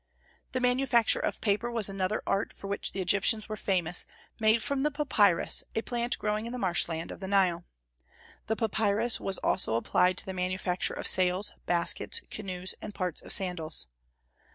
The manufacture of paper was another art for which the Egyptians were famous, made from the papyrus, a plant growing in the marsh land of the Nile. The papyrus was also applied to the manufacture of sails, baskets, canoes, and parts of sandals.